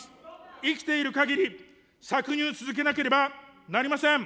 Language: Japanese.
生きているかぎり、搾乳、続けなければなりません。